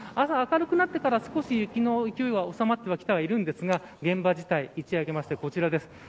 朝明るくなってから、少し雪の勢いが収まってきてはいるんですが現場自体一夜明けてこちらです。